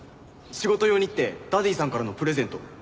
仕事用にってダディさんからのプレゼント。